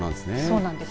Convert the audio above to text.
そうなんです。